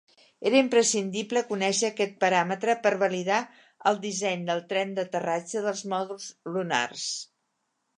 Era imprescindible conèixer aquest paràmetre per validar el disseny del tren d'aterratge dels mòduls lunars.